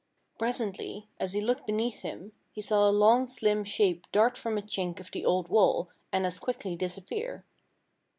Presently, as he looked beneath him, he saw a long, slim shape dart from a chink of the old wall, and as quickly disappear.